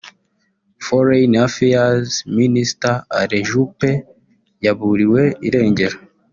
foreign affairs Minister Alain Juppe yaburiwe irengero